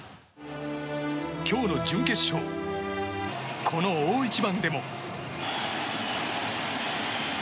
今日の準決勝この大一番でも。